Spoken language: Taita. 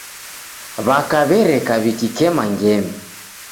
W'aka w'ereka w'ikikema ngemi.